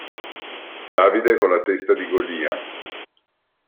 Davide con la testa di Golia